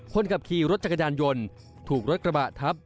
คนขับขี่รถจักรยานยนต์ถูกรถกระบะทับ